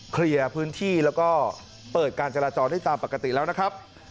เคลียร์พื้นที่แล้วก็เปิดการจราจรได้ตามปกติแล้วนะครับ